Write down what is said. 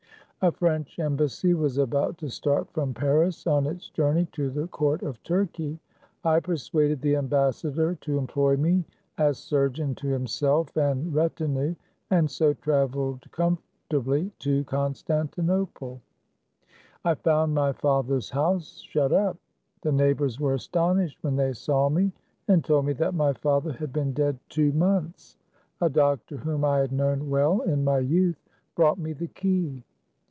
A French embassy was about to start from Paris, on its journey to the court of Turkey. I persuaded the ambassador to employ me as sur geon to himself and retinue, and so traveled comfortably to Constantinople. I found my father's house shut up. The neighbors were astonished when they saw me, and told me that my father had been dead two THE CAB AVAN. 131 TKe c?oct or bring 5 tKe b months. A doctor whom I had known well in my youth, brought me the key.